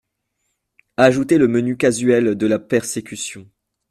Ajoutez le menu casuel de la persécution.